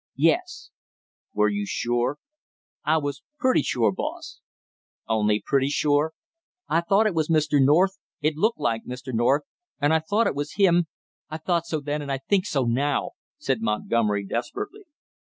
"Yes." "Were you sure?" "I was pretty sure, boss " "Only pretty sure?" "I thought it was Mr. North, it looked like Mr. North, and I thought it was him, I thought so then and I think so now," said Montgomery desperately.